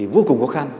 vô cùng khó khăn